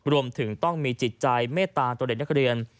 รวมถึงต้องมีจิตใจเมตตาตัวเด็กนักเรียน